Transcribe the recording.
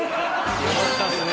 よかったですね。